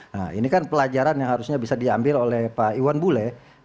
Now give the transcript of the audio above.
nah ini kan pelajaran yang harusnya bisa diambil oleh pak iwan bule